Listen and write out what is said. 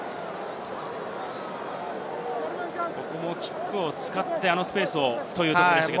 ここもキックを使ってスペースをというところでした。